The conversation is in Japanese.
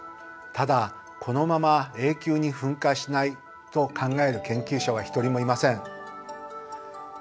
ただこのまま永久に噴火しないと考える研究者は１人もいません。